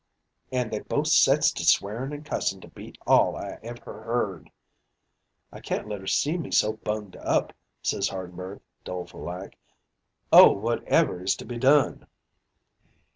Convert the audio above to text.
"An' they both sets to swearin' and cussin' to beat all I ever heard. "'I can't let her see me so bunged up,' says Hardenberg, doleful like, 'Oh, whatever is to be done?'